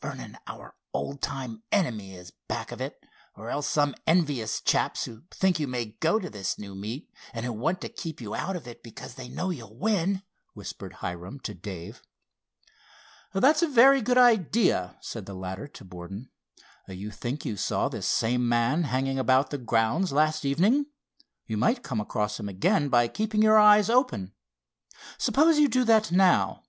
"Vernon, our old time enemy is back of it, or else some envious chaps who think you may go to this new meet, and who want to keep you out of it because they know you'll win," whispered Hiram to Dave. "That is a very good idea," said the latter to Borden. "You think you saw this same man hanging around the grounds last evening? You might come across him again by keeping your eyes open. Suppose you do that now?